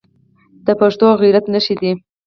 د پښتو او غیرت نښې دي.